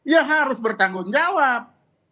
ya harus bertanggung jawab